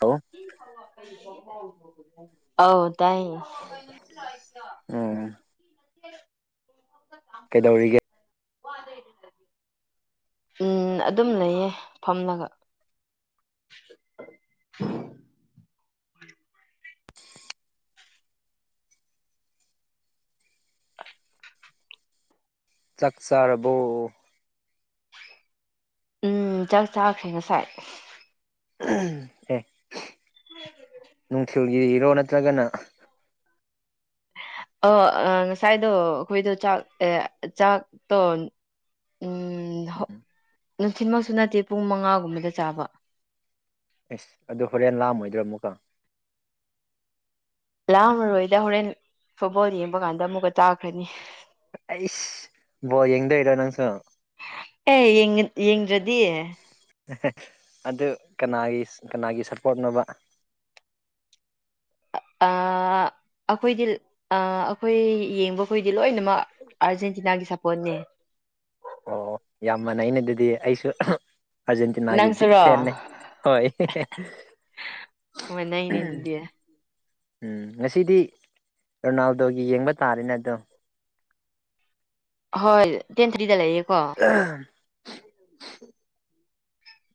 ꯍꯥꯎ ꯑ ꯑꯣ [inaudible] ꯀꯩꯗꯧꯔꯤꯒꯦ ꯎꯝ ꯑꯗꯨꯝ ꯂꯩꯌꯦ ꯐꯝꯂꯒ ꯆꯥꯛ ꯆꯔꯕꯣ ꯎꯝ ꯆꯥꯛ ꯆꯥꯈ꯭ꯔꯦ ꯉꯁꯥꯏ ꯑꯦ ꯅꯨꯡꯊꯦꯦꯜ ꯏꯔꯣ ꯅꯠꯇ꯭ꯔꯒꯅ ꯑ ꯉꯁꯥꯏꯗꯣ ꯑꯩꯈꯣꯏꯗꯣ ꯆꯥꯛ ꯆꯥꯛꯇꯣ ꯅꯨꯡꯊꯤꯤꯟꯃꯛꯁꯨ ꯅꯠꯇꯦ ꯄꯨꯡ ꯃꯉꯥꯒꯨꯝꯕꯗ ꯆꯥꯕ ꯑꯦꯁ ꯑꯗꯨ ꯍꯣꯔꯦꯟ ꯂꯥꯑꯝꯃꯣꯏꯗ꯭ꯔꯣ ꯑꯃꯨꯛꯀ ꯂꯥ ꯃꯔꯔꯣꯏꯗ ꯍꯣꯔꯦꯟ ꯐꯨꯠꯕꯣꯜ ꯌꯦꯡꯕ ꯀꯥꯟꯗ ꯑꯃꯨꯛꯀ ꯇꯥꯈ꯭ꯔꯅꯤ ꯑꯩꯁ ꯕꯣ ꯌꯦꯡꯗꯣꯏꯔꯣ ꯅꯪꯁꯨ ꯑꯦ ꯌꯦꯡꯗ꯭ꯔꯗꯤ ꯑꯗꯨ ꯀꯅꯥꯒꯤ ꯀꯅꯥꯒꯤ ꯁꯄꯣꯔꯠꯅꯕ ꯑꯩꯈꯣꯏꯗꯤ ꯑꯩꯈꯣꯏ ꯌꯦꯡꯕ ꯈꯈꯣꯏꯗꯤ ꯂꯣꯏꯅꯃꯛ ꯑꯥꯔꯖꯦꯟꯇꯤꯅꯥꯒꯤ ꯁꯥꯄꯣꯔꯠꯅꯦ ꯑꯣ ꯌꯥꯝ ꯃꯥꯟꯅꯩ ꯑꯩꯅꯗꯗꯤ ꯑꯩꯁꯨ ꯑꯔꯖꯦꯟꯇꯤꯤꯟꯒ ꯅꯪꯁꯨꯔꯣ ꯐꯦꯅꯦꯦ ꯍꯣꯏ ꯃꯥꯟꯅꯩꯅꯦ ꯑꯗꯨꯗꯤ ꯎꯝ ꯉꯁꯤꯗꯤ ꯔꯣꯅꯥꯜꯗꯣꯒꯤ ꯌꯦꯡꯕ ꯇꯥꯔꯦꯅꯦ ꯑꯗꯣ ꯍꯣꯏ ꯇꯦꯟ ꯊꯔꯤꯂ ꯎ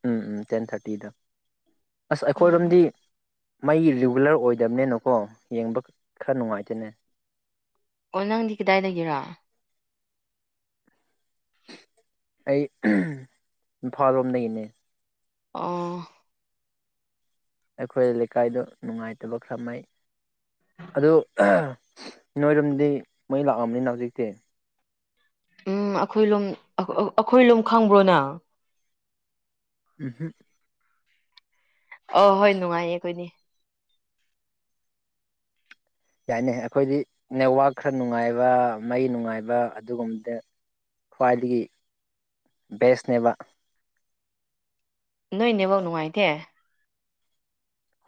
ꯎꯝ ꯎꯝ ꯇꯦꯟ ꯊꯥꯔꯇꯤꯗ ꯑꯁ ꯑꯩꯈꯣꯏꯔꯣꯝꯗꯤ ꯃꯩ ꯔꯤꯒꯨꯂꯔ ꯑꯣꯏꯗꯕꯅꯦ ꯅꯀꯣ ꯌꯦꯡꯕ ꯈꯔ ꯅꯨꯡꯉꯥꯏꯇꯅꯦ ꯑꯣ ꯅꯪꯗꯤ ꯀꯗꯥꯏꯗꯒꯦꯔ ꯑꯩ ꯏꯝꯐꯥꯜ ꯂꯣꯝꯗꯒꯤꯅꯦ ꯑ ꯑꯩꯈꯣꯏ ꯂꯩꯀꯥꯏꯗ ꯅꯨꯡꯉꯥꯏꯇꯕ ꯈꯔꯅꯩ ꯑꯗꯨ ꯅꯣꯏꯔꯣꯝꯗꯤ ꯃꯩ ꯂꯥꯛꯑꯕꯅꯤꯅ ꯍꯧꯖꯤꯛꯇꯤ ꯎꯝ ꯑꯩꯈꯣꯏ ꯂꯨꯝ ꯑꯩꯈꯣꯏ ꯂꯨꯝ ꯈꯪꯕ꯭ꯔꯣꯅ ꯎꯝꯍ ꯑ ꯍꯣꯏ ꯅꯨꯡꯉꯥꯏꯌꯦ ꯑꯩꯈꯣꯏꯅꯦ ꯌꯥꯏꯅꯦ ꯑꯩꯈꯣꯏꯗꯤ ꯅꯦꯠꯋꯥꯛ ꯈꯔ ꯅꯨꯡꯉꯥꯏꯕ ꯃꯩ ꯅꯨꯡꯉꯥꯏꯕ ꯑꯗꯨꯒꯨꯝꯕꯗ ꯈ꯭ꯋꯥꯏꯗꯒꯤ ꯕꯦꯁꯅꯦꯕ ꯅꯣꯏꯅꯦꯕꯧ ꯅꯨꯡꯉꯥꯏꯇꯦ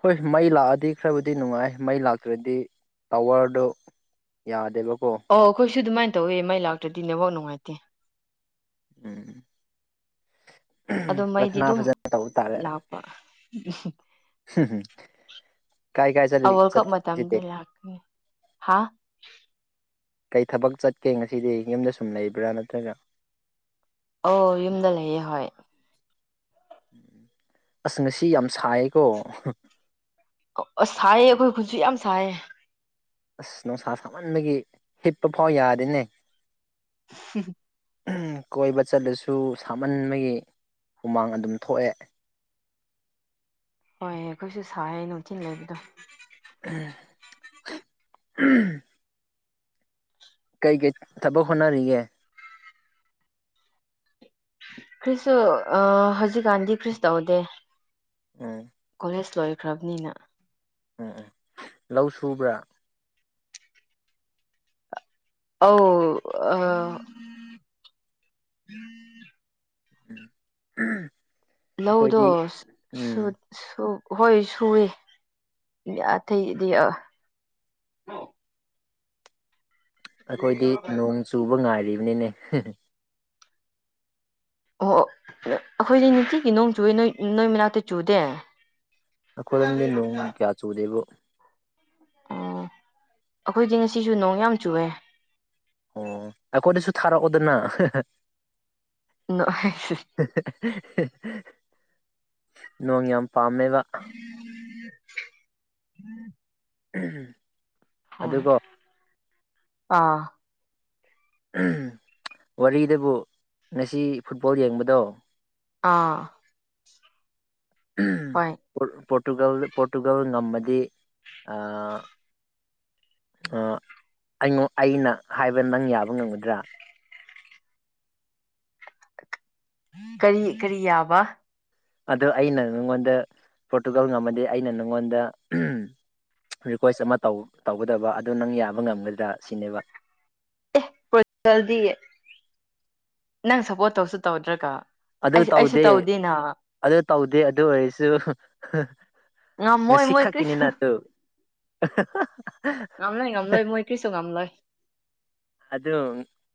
ꯍꯣꯏ ꯃꯩ ꯂꯥꯛꯑꯗꯤ ꯈꯔꯕꯨꯗꯤ ꯅꯨꯡꯉꯥꯏ ꯃꯩ ꯂꯥꯛꯇ꯭ꯔꯗꯤ ꯇꯥꯋꯔꯗꯣ ꯌꯥꯗꯦꯕ ꯑꯣ ꯈꯣꯏꯑꯣ ꯁꯤꯁꯨ ꯑꯗꯨꯃꯥꯏꯅ ꯇꯧꯋꯦ ꯃꯩ ꯂꯥꯛꯇ꯭ꯔꯗꯤ ꯅꯦꯠꯕꯥꯎ ꯅꯨꯡꯉꯥꯏꯇꯦ ꯎꯝ ꯑꯗꯣ ꯃꯩꯗꯤ ꯄ꯭ꯔꯥꯊꯅꯥ ꯑꯗꯨꯝ ꯐꯖꯅ ꯇꯧꯕ ꯇꯥꯔꯦ ꯂꯥꯛꯄ ꯍꯨꯝ ꯑꯋꯥꯜ ꯀꯞ ꯃꯇꯝꯗꯤ ꯂꯥꯛꯀꯅꯤ ꯍꯥ ꯀꯩ ꯊꯕꯛ ꯆꯠꯀꯦ ꯉꯁꯤꯗꯤ ꯌꯨꯝꯗ ꯁꯨꯝ ꯂꯩꯕ꯭ꯔꯥ ꯅꯠꯇ꯭ꯔꯒ ꯑꯣ ꯌꯨꯝꯗ ꯂꯩꯌꯦ ꯍꯣꯏ ꯑꯁ ꯉꯁꯤ ꯌꯥꯝ ꯁꯥꯏꯌꯦ ꯀꯣ ꯑꯁ ꯁꯥꯏꯌꯦ ꯑꯩꯈꯣꯏ ꯈꯨꯟꯁꯨ ꯌꯥꯝ ꯁꯥꯏꯌꯦ ꯑꯁ ꯅꯨꯡꯁꯥ ꯁꯥꯃꯟꯕꯒꯤ ꯍꯤꯞꯄ ꯐꯥꯎ ꯌꯥꯗꯦꯅꯦ ꯍꯨꯝ ꯎꯝ ꯀꯣꯏꯕ ꯆꯠꯂꯁꯨ ꯁꯥꯃꯟꯕꯒꯤ ꯍꯨꯃꯥꯡ ꯑꯗꯨꯝ ꯊꯣꯛꯑꯦ ꯍꯣꯏ ꯑꯩꯈꯣꯏꯁꯨ ꯁꯥꯏ ꯅꯨꯡꯊꯤꯜ ꯂꯩꯕꯗꯣ ꯎꯝ ꯎꯝ ꯀꯩꯀꯩ ꯊꯕꯛ ꯍꯣꯠꯅꯔꯤꯒꯦ ꯈ꯭ꯔꯤꯁꯨ ꯑꯥ ꯍꯧꯖꯤꯛꯀꯥꯟꯗꯤ ꯈ꯭ꯔꯤꯁ ꯇꯧꯗꯦ ꯎꯝ ꯀꯂꯦꯖ ꯂꯣꯏ ꯄꯨꯈ꯭ꯔꯕꯅꯤꯅ ꯎꯝ ꯎꯝ ꯂꯧ ꯁꯨꯕ꯭ꯔꯥ ꯑꯥꯎ ꯑ [inaudible] ꯂꯧꯗꯣ ꯑꯩꯈꯣꯏꯗꯤ ꯎꯝ ꯁꯨ ꯍꯣꯏ ꯁꯨꯏ ꯑꯇꯩꯩꯗꯤ ꯑ ꯑꯈꯣꯏꯗꯤ ꯅꯣꯡ ꯆꯨꯕ ꯉꯥꯏꯔꯤꯕ ꯑꯅꯤꯅꯦ ꯑꯣ ꯑꯩꯈꯣꯏꯗꯤ ꯅꯨꯡꯇꯤꯒꯤ ꯅꯣꯡ ꯆꯨꯏꯦ ꯅꯣꯏ ꯅꯣꯏ ꯃꯅꯥꯛꯇ ꯆꯨꯗꯦ ꯑꯩꯈꯣꯏꯔꯣꯝꯗꯤ ꯅꯣꯡ ꯀꯌꯥ ꯆꯨꯗꯦꯕꯨꯣ ꯎ ꯑꯩꯈꯣꯏꯗꯤ ꯉꯁꯤꯁꯨ ꯅꯣꯡ ꯌꯥꯝ ꯆꯨꯑꯦ ꯑꯣ ꯑꯩꯈꯣꯏꯗꯁꯨ ꯊꯥꯔꯛꯑꯣꯗꯅ [unintelligible] ꯅꯣꯡ ꯌꯥꯝ ꯄꯥꯝꯕ ꯎꯝ ꯎꯝ ꯑꯗꯨꯀꯣ꯫ ꯑꯥ ꯋꯥꯔꯤꯗꯕꯨ ꯉꯁꯤ ꯐꯨꯠꯕꯣꯜ ꯌꯦꯡꯕꯗꯣ ꯑꯥ ꯍꯣꯏ ꯄꯣꯔꯇꯨꯒꯜ ꯄꯣꯔꯇꯨꯒꯜ ꯉꯝꯃꯗꯤ ꯑꯩꯉ ꯑꯩꯅ ꯍꯥꯏꯕ ꯅꯪ ꯌꯥꯕ ꯉꯝꯒꯗ꯭ꯔꯥ ꯀꯔꯤ ꯀꯔꯤ ꯌꯥꯕ ꯑ ꯑꯩꯅ ꯅꯪꯉꯣꯟꯗ ꯄꯣꯔꯇꯨꯒꯜ ꯉꯝꯃꯗꯤ ꯑꯩꯅ ꯅꯪꯉꯣꯟꯗ ꯔꯤꯀ꯭ꯋꯦꯁ ꯑꯃ ꯇꯧ ꯇꯧꯒꯗꯕ ꯑꯗꯨ ꯅꯪ ꯌꯥꯕ ꯉꯝꯒꯗ꯭ꯔꯥ ꯁꯤꯅꯦꯕ ꯑꯦ꯭ꯔꯗꯤ ꯅꯪ ꯁꯞꯄꯣꯔꯠ ꯇꯧꯁꯨ ꯇꯧꯗ꯭ꯔꯥꯀ ꯑꯗꯨ ꯇꯧꯗꯦ ꯑꯗꯨ ꯇꯧꯗꯦ ꯑꯗꯨ ꯑꯣꯏꯔꯁꯨ ꯉꯝꯃꯣꯏ ꯉꯁꯤ ꯃꯣꯏ ꯈꯛꯀꯤꯅꯤꯅ ꯀ꯭ꯔꯤꯁꯨ ꯑꯗꯨ [unintelligible] ꯉꯝ ꯂꯩꯣꯏ ꯉꯝ ꯂꯣꯏ ꯃꯣꯏ ꯀꯔꯤꯁꯨꯣ ꯉꯝ ꯂꯣꯏ ꯑꯗꯨ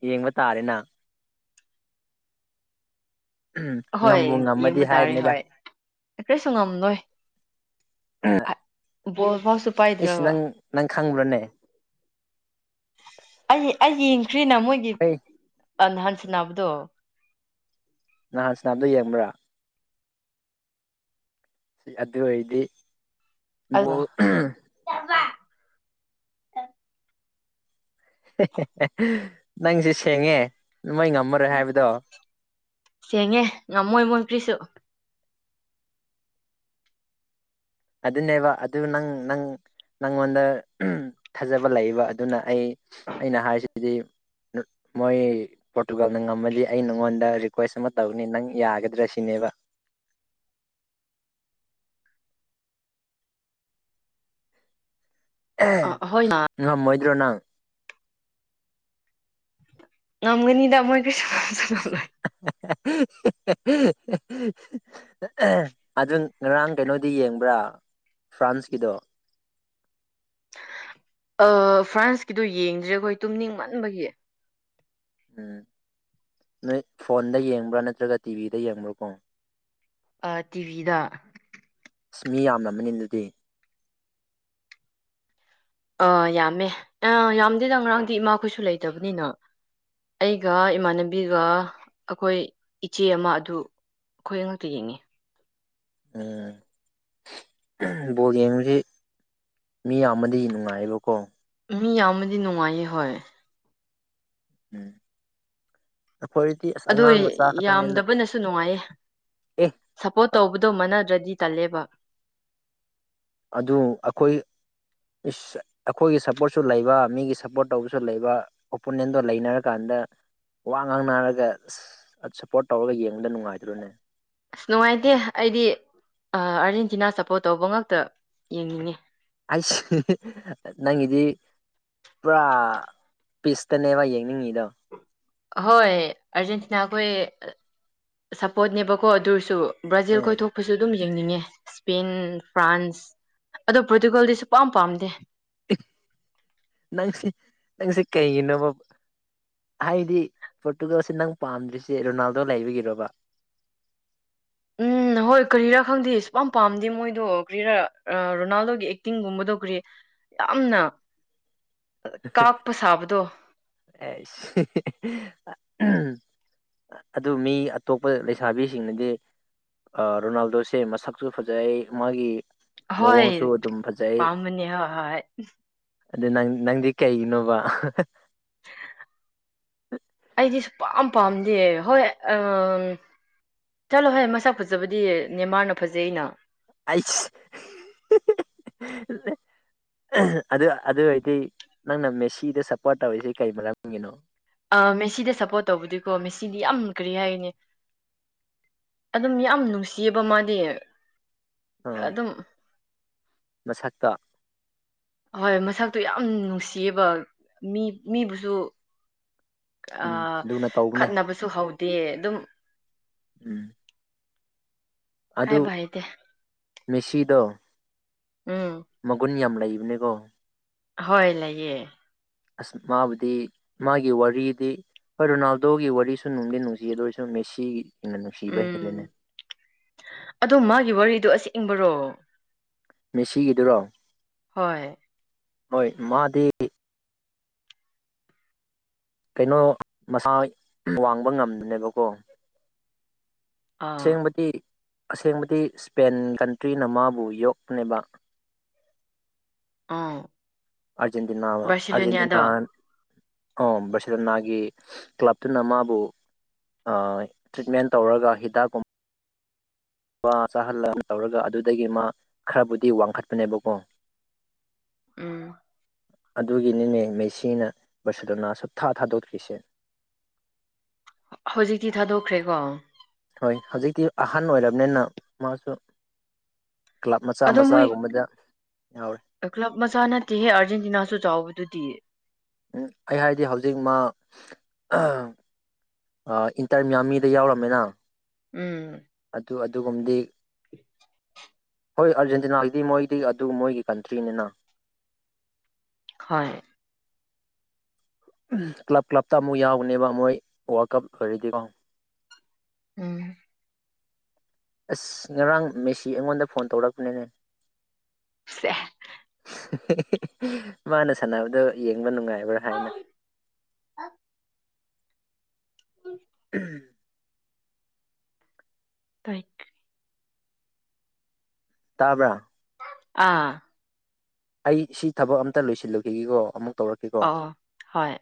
ꯌꯦꯡꯕ ꯇꯥꯔꯦꯅ ꯍꯣꯏ ꯉꯝꯕꯨ ꯉꯝꯃꯗꯤ ꯌꯦꯡꯕ ꯇꯥꯔꯦ ꯍꯥꯏꯕꯅꯤꯗ ꯍꯣꯏ ꯀꯔꯤꯁꯨ ꯉꯝ ꯅꯣꯏ ꯎꯝ [inaudible] ꯏꯏꯁ ꯄꯥꯏꯗ꯭ꯔꯕ ꯑꯦꯟ. ꯖꯤ. ꯑꯦꯟ. ꯖꯤ. ꯈ꯭ꯡꯕ꯭ꯔꯥꯅꯦ꯫ ꯑꯩꯌꯦꯡ ꯀ꯭ꯔꯤꯅꯥ ꯃꯣꯏꯒꯤꯞ ꯍꯣꯏ ꯑ ꯍꯟꯁꯤꯅꯕꯗꯣ ꯅꯍꯥꯟꯁꯤ ꯅꯍꯗꯣ ꯌꯦꯡꯕ꯭ꯔꯥ ꯑꯗꯨ ꯑꯣꯏꯔꯗꯤ ꯑꯗꯨꯒ ꯕꯣꯜ ꯅꯪꯁꯦ ꯁꯦꯡꯉꯦ ꯃꯣꯏ ꯉꯝꯃꯔꯣꯏ ꯍꯥꯏꯕꯗꯣ ꯁꯦꯡꯉꯦ ꯉꯝꯃꯣꯏ ꯃꯣꯏ ꯄ꯭ꯔꯤꯁꯨ ꯑꯗꯨꯅꯦꯕ ꯑꯗꯨ ꯅꯪ ꯅꯪ ꯅꯪꯉꯣꯟꯗ ꯊꯥꯖꯕ ꯂꯩꯕ ꯑꯗꯨꯅ ꯑꯩ ꯑꯩꯅ ꯍꯥꯏꯔꯤꯁꯤꯗꯤ ꯃꯣꯏ ꯄꯣꯔꯇꯨꯒꯥꯜꯅ ꯉꯝꯃꯗꯤ ꯑꯩ ꯅꯪꯉꯣꯟꯗ ꯔꯤꯀ꯭ꯋꯦꯁ ꯑꯃ ꯇꯧꯅꯤ ꯅꯪ ꯌꯥꯒꯗ꯭ꯔꯥ ꯁꯤꯅꯦꯕ ꯑꯍꯣꯏꯅ ꯉ ꯃꯣꯏꯗ꯭ꯔꯣꯅ ꯅꯝꯒꯅꯤꯗ ꯃ [inaudible] ꯑꯗꯨ ꯉꯔꯥꯡ ꯀꯩꯅꯣꯗꯤ ꯌꯦꯡꯕ꯭ꯔꯥ ꯐ꯭ꯔꯥꯟꯁꯀꯤꯗꯣ ꯐ꯭ꯔꯥꯟꯁꯀꯤꯗꯣ ꯌꯦꯡꯗ꯭ꯔꯦ ꯑꯩꯈꯣꯏ ꯇꯨꯝꯅꯤꯡ ꯃꯟꯕꯒꯤ ꯎꯝ ꯅꯣꯏ ꯐꯣꯟꯗ ꯌꯦꯡꯕ꯭ꯔꯥ ꯅꯠꯇ꯭ꯔꯒ ꯇꯤꯚꯤꯗ ꯌꯦꯡꯕ꯭ꯔꯥꯀꯣ ꯇꯤꯚꯤꯗ ꯑꯁ ꯃꯤ ꯌꯥꯝꯅ ꯑꯃꯅꯤꯅꯤ ꯑꯗꯨꯗꯤ ꯑꯥ ꯌꯥꯝꯃꯦ ꯌꯥꯝꯗꯦꯗ ꯉꯔꯥꯡꯗꯤ ꯏꯃꯥꯈꯣꯏꯁꯨ ꯂꯩꯇꯕꯅꯤꯅ ꯑꯩꯒ ꯏꯃꯥꯟꯅꯕꯤꯒ ꯑꯩꯈꯣꯏ ꯏꯆꯦ ꯑꯃ ꯑꯗꯨ ꯑꯩꯈꯣꯏ ꯉꯉꯛꯇ ꯌꯦꯡꯉꯤ ꯎꯝ ꯕꯣꯜ ꯌꯦꯡꯕꯁꯤ ꯃꯤ ꯌꯥꯝꯅꯗꯤ ꯅꯨꯡꯉꯥꯏꯌꯦꯕꯀꯣ ꯃꯤ ꯌꯥꯝꯃꯗꯤ ꯅꯨꯡꯉꯥꯏꯌꯦ ꯍꯣꯏ ꯎꯝ ꯑꯩꯈꯣꯏꯗꯤ ꯑꯁ ꯑꯗꯨ ꯑꯉꯥꯡ ꯃꯆꯥ ꯈꯛꯇꯅꯤꯅ ꯌꯥꯝꯗꯕꯅꯁꯨ ꯅꯨꯡꯉꯥꯏꯌꯦ ꯑꯦ ꯁꯞꯄꯣꯔꯠ ꯇꯧꯕꯗꯣ ꯃꯥꯟꯅꯗ꯭ꯔꯗꯤ ꯇꯜꯂꯦꯕ ꯑꯗꯨ ꯑꯩꯈꯣꯏ ꯑꯩꯈꯣꯏꯒꯤ ꯁꯞꯄꯣꯔꯠꯁꯨ ꯂꯩꯕ ꯃꯤꯒꯤ ꯁꯞꯄꯣꯔꯠ ꯇꯧꯕꯁꯨ ꯂꯩꯕ ꯑꯣꯄꯣꯅꯦꯟꯗꯣ ꯂꯩꯅꯔꯀꯥꯟꯗ ꯋꯥ ꯉꯥꯡꯅꯔꯒ ꯁꯞꯄꯣꯔꯠ ꯇꯧꯔꯒ ꯌꯦꯡꯕꯗ ꯅꯨꯡꯉꯥꯏꯗꯨ꯭ꯔꯅꯦ ꯑꯁ ꯅꯨꯡꯉꯥꯏꯇꯦ ꯑꯩꯗꯤ ꯑꯥꯔꯖꯦꯟꯇꯤꯅꯥ ꯁꯞꯄꯣꯔꯠ ꯇꯧꯕ ꯉꯇ ꯌꯦꯡꯅꯤꯡꯉꯤ ꯑꯩꯁꯦ ꯅꯪꯒꯤꯗꯤ ꯄꯨꯔꯥ ꯄꯤꯁꯇꯅꯦꯕ ꯌꯦꯡꯅꯤꯡꯉꯤꯗꯣ ꯍꯣꯏ ꯑꯔꯖꯦꯟꯇꯤꯅꯥꯈꯣꯏ ꯁꯞꯄꯣꯔꯠꯅꯦꯕꯀꯣ ꯑꯗꯨꯔꯁꯨ ꯕ꯭ꯔꯥꯖꯤꯜ ꯀꯣꯏꯊꯣꯛꯄꯁꯨ ꯑꯗꯨꯝ ꯌꯦꯡꯅꯤꯡꯉꯦ ꯏꯁꯄꯦꯟ ꯐ꯭ꯔꯥꯟꯁ ꯑꯗꯣ ꯄꯣꯔꯇꯨꯒꯜꯗꯤꯁꯨ ꯄꯥꯝ ꯄꯥꯝꯗꯦ ꯅꯪꯁ ꯅꯪꯁꯦ ꯀꯩꯒꯤꯅꯣꯕ ꯍꯥꯏꯗꯤ ꯄꯣꯔꯇꯨꯒꯥꯜꯁꯦ ꯅꯪ ꯄꯥꯝꯗ꯭ꯔꯤꯁꯦ ꯔꯣꯅꯥꯜꯗꯣ ꯂꯩꯕꯒꯤꯔꯕ ꯎꯝ ꯍꯣꯏ ꯀꯔꯤꯔꯥ ꯈꯪꯗꯦ ꯁꯨꯛꯝ ꯄꯥꯝꯗꯦ ꯃꯣꯏꯗꯣ ꯀ꯭ꯔꯤꯔꯥ ꯔꯣꯅꯥꯜꯗꯣꯒꯤ ꯑꯦꯛꯇꯤꯡꯒꯨꯝꯕꯗꯣ ꯀꯔꯤ ꯌꯥꯝꯅ ꯀꯥꯛꯄ ꯁꯥꯕꯗꯣ ꯑꯁ ꯑꯗꯨ ꯃꯤ ꯑꯇꯣꯞꯄ ꯂꯩꯁꯥꯕꯤꯁꯤꯡꯅꯗꯤ ꯔꯣꯅꯥꯜꯗꯣꯁꯦ ꯃꯁꯛꯁꯨ ꯐꯖꯩ ꯃꯥꯒꯤ ꯍꯣꯏ ꯃꯑꯣꯡꯁꯨ ꯑꯗꯨꯝ ꯄꯥꯝꯅꯦ ꯍꯣꯏ ꯍꯣꯏ ꯑꯗꯨꯗ ꯅꯪ ꯅꯪ ꯀꯩꯩꯅꯣꯕ ꯑꯩꯗꯤ ꯁ ꯄꯝ ꯄꯥꯝꯗꯦ ꯍꯣꯏ ꯆꯂꯣ ꯍꯣꯏ ꯃꯁꯥ ꯐꯖꯕꯗꯤ ꯅꯦꯃꯥꯔꯅ ꯐꯖꯩ ꯑꯩꯅ ꯑꯩꯁ ꯑꯗꯨ ꯑꯗꯨ ꯑꯣꯏꯔꯗꯤ ꯅꯪꯅ ꯃꯦꯁꯤꯗ ꯁꯞꯄꯣꯔꯠ ꯇꯧꯔꯤꯁꯤ ꯀꯩ ꯃꯔꯝꯒꯤꯅꯣ ꯃꯦꯁꯤꯗ ꯁꯞꯄꯣꯔꯠ ꯇꯧꯕꯗꯤꯀꯣ ꯃꯦꯁꯤꯗꯤ ꯌꯥꯝ ꯀꯔꯤ ꯍꯥꯏꯅꯤ ꯑꯗꯨꯝ ꯌꯥꯝ ꯅꯨꯡꯁꯤꯑꯕ ꯃꯥꯗꯤ ꯑꯗꯨ ꯑꯥ ꯑꯗꯨꯝ ꯃꯁꯛꯇ ꯍꯣꯏ ꯃꯁꯛꯇꯨ ꯌꯥꯝ ꯅꯨꯡꯁꯤꯌꯦꯕ ꯃꯤ ꯃꯤꯕꯨꯁꯨ ꯑ ꯎꯝ ꯂꯨꯅ ꯇꯧꯕꯅꯦ ꯈꯠꯅꯕꯁꯨ ꯍꯧꯗꯦ ꯇ ꯑꯗꯨꯝ ꯎꯝ ꯍꯥꯏ ꯕꯥꯏꯗꯦ ꯃꯤꯁꯤꯗ ꯃꯒꯨꯟ ꯌꯥꯝ ꯂꯩꯕꯅꯦꯀꯣ ꯍꯣꯏ ꯂꯩꯥꯛꯌꯦ ꯑꯁ ꯃꯥꯕꯨꯗꯤ ꯃꯥꯒꯤ ꯋꯥꯔꯤꯗꯤ ꯍꯣꯏ ꯔꯣꯅꯥꯜꯗꯣꯒꯤ ꯋꯥꯔꯤꯁꯨ ꯅꯨꯡꯗꯤ ꯅꯨꯡꯁꯤ ꯑꯗꯨ ꯑꯣꯏꯔꯁꯨ ꯃꯦꯁꯤꯒꯤ ꯎꯝ ꯑꯗꯣ ꯃꯥꯒꯤ ꯋꯥꯔꯤꯗꯣ ꯑꯁꯤ ꯏꯪꯕꯔꯣ ꯃꯦꯁꯤꯒꯤꯗꯨꯔꯣ ꯍꯣꯏ ꯍꯣꯏ ꯃꯥꯗꯤ ꯏ ꯀꯩꯅꯣ ꯃꯁꯥꯏ ꯋꯥꯡꯕ ꯉꯝꯗꯕꯅꯦꯀꯣ ꯑꯥ ꯁꯦꯡꯕꯗꯤ ꯑꯁꯦꯡꯕꯗꯤ ꯏꯁꯄꯦꯟ ꯀꯟꯇ꯭ꯔꯤꯅ ꯃꯥꯕꯨ ꯌꯣꯛꯄꯅꯦꯕ ꯑꯣ ꯑꯔꯖꯦꯟꯇꯤꯅꯥꯕ ꯑꯔꯖꯦꯟꯇꯤꯅꯥ ꯑꯝ ꯕꯔꯁꯦꯂꯣꯅꯥꯒꯤ ꯀ꯭ꯂꯞꯇꯨꯅ ꯃꯥꯕꯨ ꯑꯥ ꯇ꯭ꯔꯤꯠꯃꯦꯟ ꯇꯧꯔꯒ ꯍꯤꯗꯥꯛꯀꯨꯝ ꯋꯥ ꯆꯥꯍꯜꯂꯕ ꯇꯧꯔꯒ ꯑꯗꯨꯗꯒꯤ ꯃꯥ ꯈꯔꯕꯨꯗꯤ ꯋꯥꯡꯈꯠꯄꯅꯦꯕꯀꯣ ꯎꯝ ꯑꯗꯨꯒꯤꯅꯤꯅꯦ ꯃꯩꯁꯤꯅ ꯕꯔꯁꯦꯂꯣꯅꯥ ꯁꯨꯛꯊꯥ ꯊꯥꯗꯣꯛꯇ꯭ꯔꯤꯁꯦ ꯍꯧꯖꯤꯛꯇꯤ ꯊꯥꯗꯣꯛꯈ꯭ꯔꯦꯀꯣ ꯍꯣꯏ ꯍꯧꯖꯤꯛꯇꯤ ꯑꯍꯟ ꯑꯣꯏꯔꯝꯅꯤꯅ ꯃꯥꯁꯨ ꯀ꯭ꯂꯕ ꯃꯆꯥ ꯑꯗꯣ ꯃꯣꯏ ꯃꯆꯥꯒꯨꯝꯕꯗ ꯌꯥꯎꯔꯦ ꯀ꯭ꯂꯕ ꯃꯆꯥ ꯅꯠꯇꯦꯍꯦ ꯑꯥꯔꯖꯦꯟꯇꯤꯅꯥꯁꯨ ꯆꯥꯎꯕ ꯗꯨꯗꯤ ꯎꯝ ꯑꯩ ꯍꯥꯏꯗꯤ ꯍꯧꯖꯤꯛ ꯃꯥ ꯑ ꯏꯟꯇꯔ ꯃ꯭ꯌꯥꯃꯤꯗ ꯌꯥꯎꯔꯝꯃꯦꯅ ꯎꯝ ꯑꯗꯨ ꯑꯗꯨꯒꯨꯝꯕꯗꯤ ꯍꯣꯏ ꯑꯔꯖꯦꯟꯇꯤꯅꯥꯒꯤꯗꯤ ꯃꯣꯏꯗꯤ ꯑꯗꯨ ꯃꯣꯏꯒꯤ ꯀꯟꯇ꯭ꯔꯤꯅꯤꯅ ꯍꯣꯏ ꯀ꯭ꯂꯞ ꯀ꯭ꯂꯞꯇ ꯑꯃꯨꯛ ꯌꯥꯎꯕꯅꯦꯕ ꯃꯣꯏ ꯋꯥꯔ꯭ꯜ ꯀꯞ ꯂꯣꯏꯔꯗꯤꯀꯣ ꯎꯝ ꯑꯁ ꯉꯔꯥꯡ ꯃꯦꯁꯤ ꯑꯩꯉꯣꯟꯗ ꯐꯣꯟ ꯇꯧꯔꯛꯄꯅꯤꯅꯦ ꯁꯦꯍ ꯃꯥꯅ ꯁꯥꯟꯅꯕꯗꯣ ꯌꯦꯡꯕ ꯅꯨꯡꯉꯥꯏ ꯕꯔ ꯍꯥꯏꯅ [inaudible] ꯎꯝ ꯇꯥꯏ ꯀ ꯇꯥꯕ꯭ꯔ ꯑꯥ ꯑꯩ ꯁꯤ ꯊꯕꯛ ꯑꯝꯇ ꯂꯣꯏꯁꯤꯜꯂꯨꯈꯤꯒꯦꯀꯣ ꯑꯃꯨꯛ ꯇꯧꯔꯛꯀꯦꯀꯣ ꯑꯧ ꯍꯣꯏ